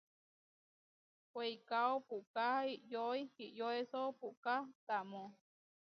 Weikáo puʼká iʼyoi iʼyoeso puʼká tamó.